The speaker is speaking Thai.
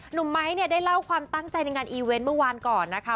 หนุ่มไม้ได้เล่าความตั้งใจในการอีเว้นต์เมื่อวานก่อนนะคะ